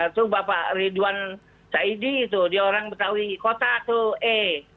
itu bapak ridwan saidi itu dia orang betawi kota tuh e